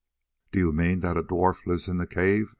"Do you mean that a dwarf lives in the cave?"